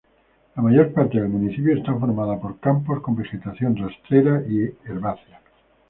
La mayor parte del municipio está formada por campos, con vegetación rastrera y herbácea.